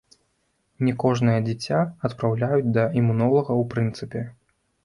Не кожнае дзіця адпраўляюць да імунолага ў прынцыпе.